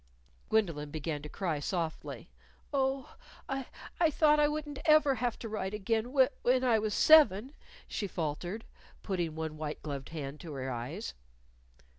Gwendolyn began to cry softly. "Oh, I I thought I wouldn't ever have to ride again wh when I was seven," she faltered, putting one white gloved hand to her eyes.